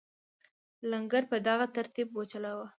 لنګر په دغه ترتیب وچلاوه.